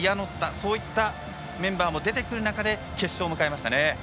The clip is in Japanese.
そういったメンバーも出てくる中で決勝を迎えました。